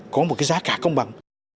có một cái giá cả công bằng